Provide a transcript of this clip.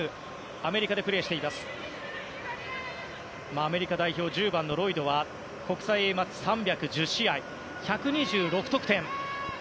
アメリカ代表１０番のロイドは国際Ａマッチ３１０試合１２６得点。